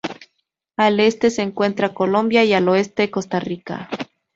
Al este se encuentra Colombia y al oeste Costa Rica.